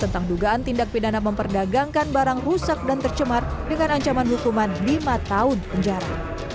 tentang dugaan tindak pidana memperdagangkan barang rusak dan tercemar dengan ancaman hukuman lima tahun penjara